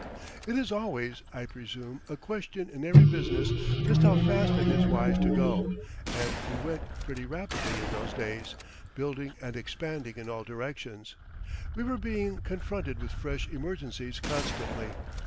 It is always, I presume, a question in every business just how fast it is wise to go, and we went pretty rapidly in those days, building and expanding in all directions. We were being confronted with fresh emergencies constantly.